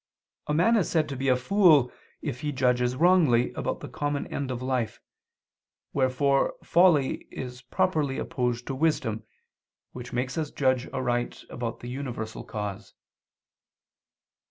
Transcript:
A man is said to be a fool if he judges wrongly about the common end of life, wherefore folly is properly opposed to wisdom, which makes us judge aright about the universal cause.